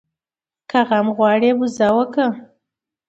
که غم غواړې ، بزه وکه.